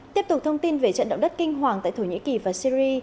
tiếp tục thông tin về trận động đất kinh hoàng tại thổ nhĩ kỳ và syri